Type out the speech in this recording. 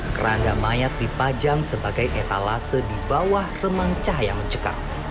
kerangga mayat dipajang sebagai etalase di bawah remang cahaya mencekam